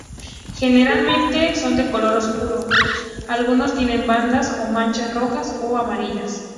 Generalmente son de color oscuro; algunos tienen bandas o manchas rojas o amarillas.